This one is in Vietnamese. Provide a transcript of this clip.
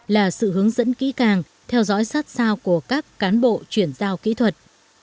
là sự hướng dẫn kỹ càng theo dõi sát sao của các cán bộ chuyển giao kỹ thuật